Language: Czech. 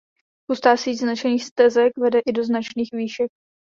Hustá síť značených stezek vede i do značných výšek.